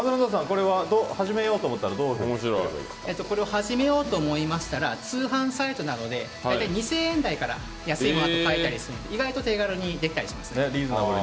これを始めようと思ったのは始めようと思いましたら通販サイトなどで２０００円台から安いものだと買えたりするので意外と手軽にできたりします。